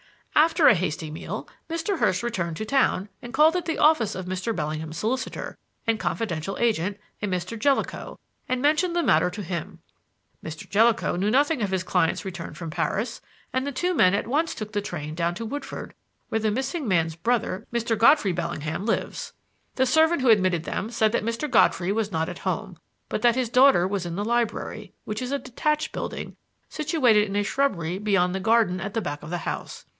"After a hasty meal Mr. Hurst returned to town and called at the office of Mr. Bellingham's solicitor and confidential agent, a Mr. Jellicoe, and mentioned the matter to him. Mr. Jellicoe knew nothing of his client's return from Paris, and the two men at once took the train down to Woodford, where the missing man's brother, Mr. Godfrey Bellingham, lives. The servant who admitted them said that Mr. Godfrey was not at home, but that his daughter was in the library, which is a detached building situated in a shrubbery beyond the garden at the back of the house.